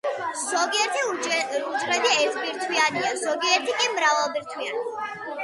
ზოგიერთი უჯრედი ერთბირთვიანია, ზოგიერთი კი მრავალბირთვიანი.